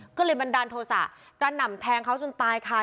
ก็เลยบันดาลโทษะกระหน่ำแทงเขาจนตายค่ะ